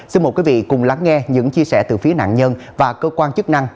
xin mời quý vị cùng lắng nghe những chia sẻ từ phía nạn nhân và cơ quan chức năng